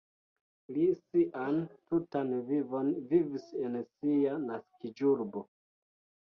Li sian tutan vivon vivis en sia naskiĝurbo.